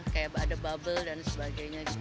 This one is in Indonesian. kayak ada bubble dan sebagainya